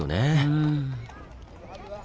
うん。